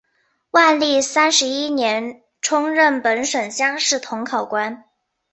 万历三十一年充任本省乡试同考官。